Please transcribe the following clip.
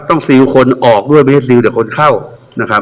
ต้องซิลคนออกด้วยไม่ได้ซิลเกษ็นแต่คนเข้านะครับ